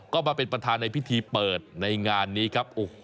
ก็มาเป็นประธานในพิธีเปิดในงานนี้ครับ